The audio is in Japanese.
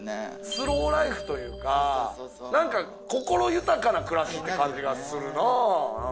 スローライフというか、心豊かな暮らしって感じがするな。